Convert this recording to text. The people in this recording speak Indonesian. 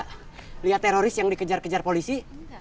lihat teroris yang dikejar kejar polisi